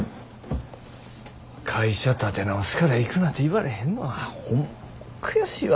会社立て直すから行くなて言われへんのがホンマ悔しいわ。